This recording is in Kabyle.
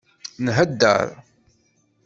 Nheddeṛ.